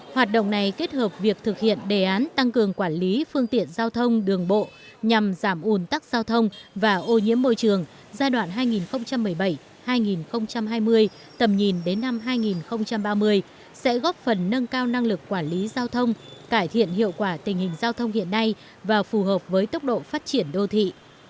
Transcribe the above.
hoạt động này kết hợp việc thực hiện đề án tăng cường quản lý phương tiện giao thông đường bộ nhằm giảm ồn tắc giao thông và ô nhiễm môi trường giai đoạn hai nghìn một mươi bảy hai nghìn hai mươi tầm nhìn đến năm hai nghìn ba mươi sẽ góp phần nâng cao năng lực quản lý giao thông cải thiện hiệu quả tình hình giao thông hiện nay và phù hợp với tốc độ phát triển đô thị